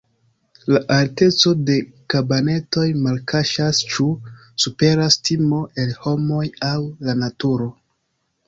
La alteco de kabanetoj malkaŝas, ĉu superas timo el homoj aŭ la naturo.